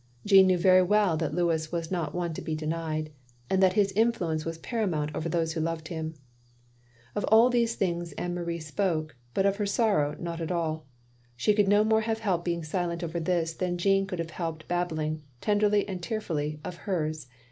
" Jeanne knew very weill that Louis was not one to be denied, and that his influence was paramount over those who loved him. Of all these things Anne Marie spoke, but of her sorrow not at all. She could no more have helped being silent over this than Jeanne could have helped babbling — ^tenderly and tear fully — of hers.